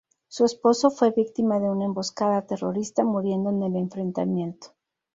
Su esposo fue víctima de una emboscada terrorista muriendo en el enfrentamiento.